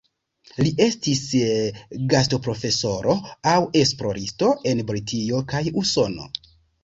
Li estis gastoprofesoro aŭ esploristo en Britio kaj Usono.